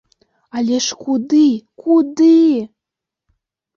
Але ж куды, куды?